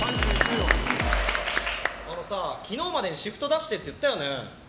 あのさ、昨日までにシフト出してって言ったよね。